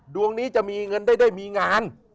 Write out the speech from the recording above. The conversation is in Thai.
ดวงนี้จะมีเงินได้มีงาน